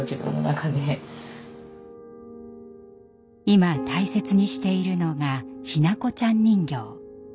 今大切にしているのが日向子ちゃん人形。